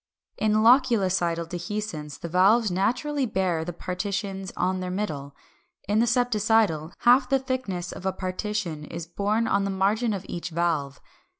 ] 372. In loculicidal dehiscence the valves naturally bear the partitions on their middle; in the septicidal, half the thickness of a partition is borne on the margin of each valve.